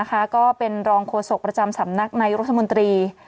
ก็เป็นรองโฆษกประจำสำนักนายรัฐมนตรี